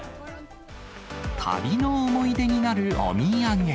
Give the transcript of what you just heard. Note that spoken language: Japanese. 旅の思い出になるお土産。